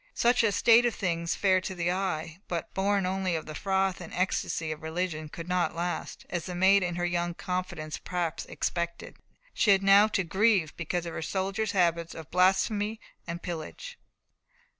Such a state of things, fair to the eye, but born only of the froth and ecstasy of religion, could not last, as the Maid in her young confidence perhaps expected. She had now to grieve because of her soldiers' habits of blasphemy and pillage.